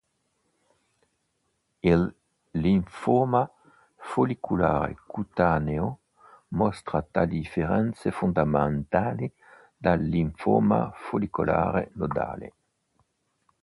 Il linfoma follicolare cutaneo mostra tali differenze fondamentali dal linfoma follicolare nodale.